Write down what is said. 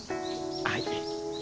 はい。